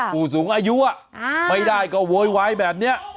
ผู้สูงอายุไม่ได้ก็โวยวายแบบนี้